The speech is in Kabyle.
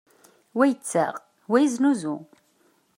Wa yettaɣ, wa yeznuzu.